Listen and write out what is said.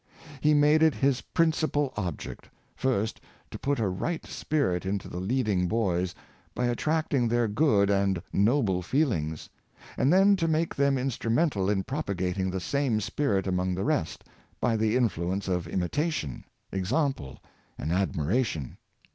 He made it his principal object, first to put a right spirit into the lead ing boys by attracting their good and noble feelings; and then to make them instrumental in propagating the same spirit among the rest, by the influence of imita tion, example, and admiration.